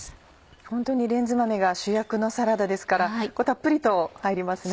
ホントにレンズ豆が主役のサラダですからたっぷりと入りますね。